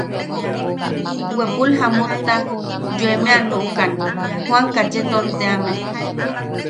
Wepul jamutta yoeme a nuʼukan Juan Kacheton teame.